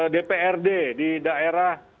dprd di daerah